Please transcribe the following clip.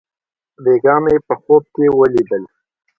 بېګاه مې په خوب کښې وليدل.